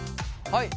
はい。